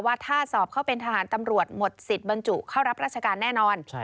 ว่าถ้าสอบเข้าเป็นทหารตำรวจหมดสิทธิ์บรรจุเข้ารับราชการแน่นอน